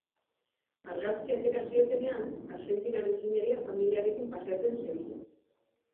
Argazkia atera ziotenean, argentinar ingeniaria familiarekin paseatzen zebilen.